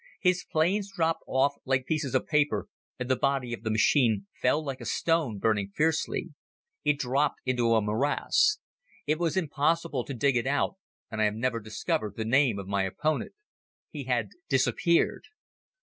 His planes dropped off like pieces of paper and the body of the machine fell like a stone, burning fiercely. It dropped into a morass. It was impossible to dig it out and I have never discovered the name of my opponent. He had disappeared.